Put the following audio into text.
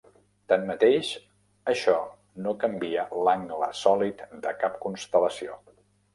Tanmateix, això no canvia l'angle sòlid de cap constel·lació.